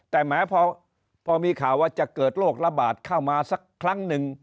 แต่แม้พอมีข่าวว่าจะเกิดโรคระบาดเข้ามาสักครั้งหนึ่ง